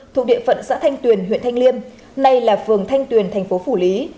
thuộc địa phận xã thanh tuyền huyện thanh liêm nay là phường thanh tuyền thành phố phủ lý